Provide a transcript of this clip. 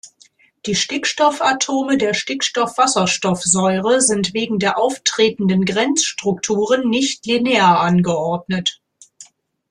Die Stickstoffatome der Stickstoffwasserstoffsäure sind wegen der auftretenden Grenzstrukturen nicht linear angeordnet.